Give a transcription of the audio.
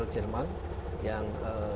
dari jerman yang